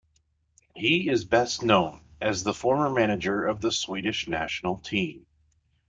He is best known as the former manager of the Swedish national team.